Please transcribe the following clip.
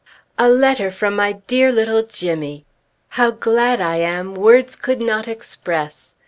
A letter from my dear little Jimmy! How glad I am, words could not express.